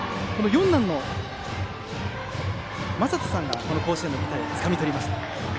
四男の将斗さんが甲子園の舞台をつかみ取りました。